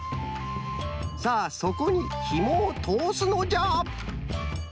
さあそこにひもをとおすのじゃ。